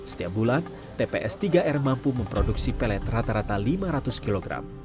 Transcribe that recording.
setiap bulan tps tiga r mampu memproduksi pelet rata rata lima ratus kg